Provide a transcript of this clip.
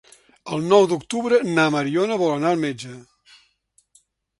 El nou d'octubre na Mariona vol anar al metge.